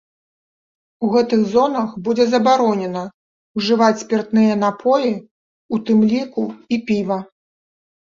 У гэтых зонах будзе забаронена ўжываць спіртныя напоі, у тым ліку і піва.